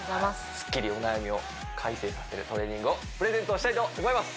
スッキリお悩みを快晴させるトレーニングをプレゼントしたいと思います！